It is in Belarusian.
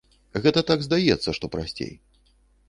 Гэта так здаецца, што прасцей.